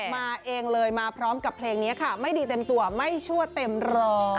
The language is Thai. มาเองเลยมาพร้อมกับเพลงนี้ค่ะไม่ดีเต็มตัวไม่ชั่วเต็มร้อย